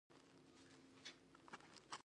ترموز د غرمو لپاره چای ذخیره کوي.